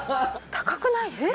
高くないですか？